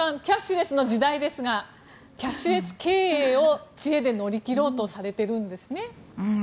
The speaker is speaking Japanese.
キャッシュレスの時代ですがキャッシュレス経営を知恵で乗り切ろうとされているんですね。